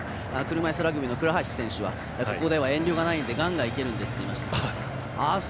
車いすラグビーの倉橋選手はここでは遠慮がないのでガンガンいけると言ったんです。